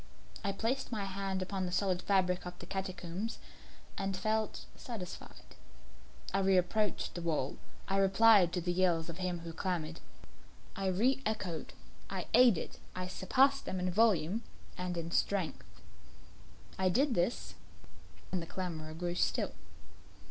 I placed my hand upon the solid fabric of the catacombs, and felt satisfied. I reapproached the wall; I replied to the yells of him who clamoured. I re echoed I aided I surpassed them in volume and in strength. I did this, and the clamourer grew still.